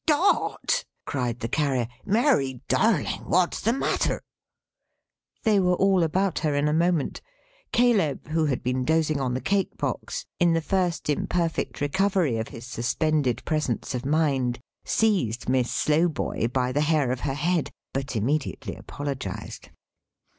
"Dot!" cried the Carrier. "Mary! Darling! what's the matter?" They were all about her in a moment. Caleb, who had been dozing on the cake box, in the first imperfect recovery of his suspended presence of mind seized Miss Slowboy by the hair of her head; but immediately apologised.